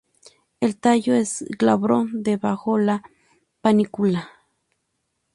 El tallo es glabro debajo la panícula.